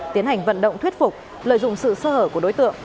tiến hành vận động thuyết phục lợi dụng sự sơ hở của đối tượng